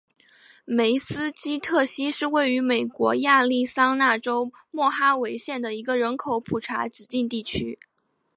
梅斯基特溪是位于美国亚利桑那州莫哈维县的一个人口普查指定地区。